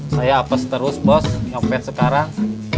saya apes terus bos sampai sekarang